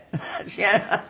違います？